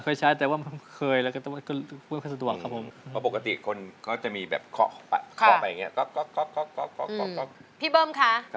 เคยใช้ไหมครับเคยใช้ไหม